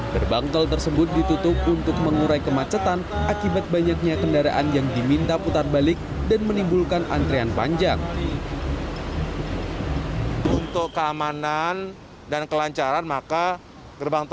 gerbang tol tersebut ditutup untuk mengurai kemacetan akibat banyaknya kendaraan yang diminta putar balik dan menimbulkan antrian panjang